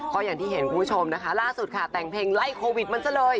ก็อย่างที่เห็นคุณผู้ชมนะคะล่าสุดค่ะแต่งเพลงไล่โควิดมันซะเลย